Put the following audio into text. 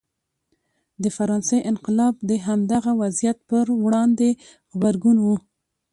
د فرانسې انقلاب د همدغه وضعیت پر وړاندې غبرګون و.